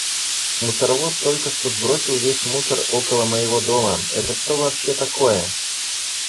Мусоровоз только что сбросил весь мусор около моего дома. Это что вообще такое?